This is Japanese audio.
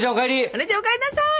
お姉ちゃんお帰んなさい！